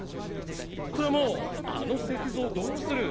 つってもあの石像どうする？